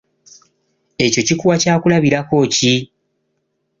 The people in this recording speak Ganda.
Ekyo kikuwa kyakulabirako ki?